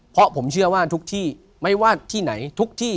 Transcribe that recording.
เพราะผมเชื่อว่าทุกที่ไม่ว่าที่ไหนทุกที่